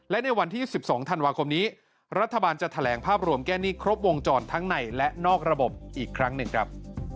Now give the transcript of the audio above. และในวันที่๑๒ธันวาคมนี้รัฐบาลจะแถลงภาพรวมแก้หนี้ครบวงจรทั้งในและนอกระบบอีกครั้งหนึ่งครับ